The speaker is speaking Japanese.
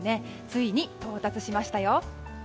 ついに到達しましたよ。